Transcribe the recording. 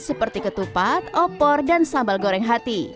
seperti ketupat opor dan sambal goreng hati